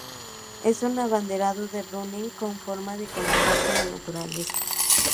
Es un abanderado del running como forma de conectar con la naturaleza.